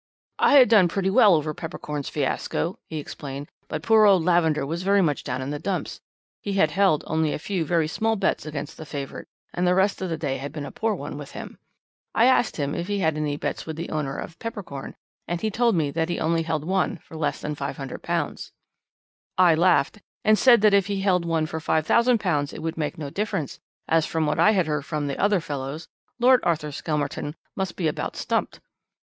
"'I had done pretty well over Peppercorn's fiasco,' he explained, 'but poor old Lavender was very much down in the dumps; he had held only a few very small bets against the favourite, and the rest of the day had been a poor one with him. I asked him if he had any bets with the owner of Peppercorn, and he told me that he only held one for less than £500. "'I laughed and said that if he held one for £5000 it would make no difference, as from what I had heard from the other fellows, Lord Arthur Skelmerton must be about stumped.